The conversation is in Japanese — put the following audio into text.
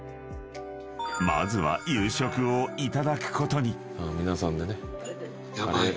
［まずは夕食をいただくことに］